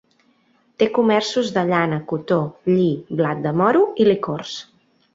Té comerços de llana, cotó, lli, blat de moro i licors.